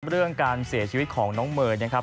เรื่องการเสียชีวิตของน้องเมย์นะครับ